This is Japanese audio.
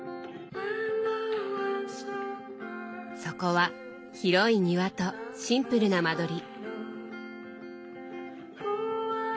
そこは広い庭とシンプルな間取り。